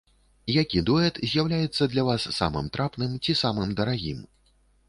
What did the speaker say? Які дуэт з'яўляецца для вас самым трапным ці самым дарагім?